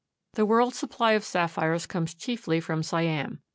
The world's supply of sapphires comes chiefly from Siam.